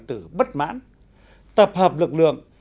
từ bất mãn tập hợp lực lượng